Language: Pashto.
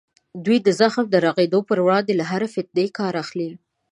دوی د زخم د رغېدو په وړاندې له هرې فتنې کار اخلي.